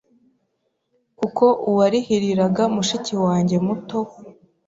kuko uwarihiraga mushiki wanjye muto